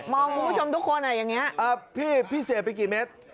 มองคุณผู้ชมทุกคนอ่ะอย่างเนี้ยอ่ะพี่พี่เสพไปกี่เม็ด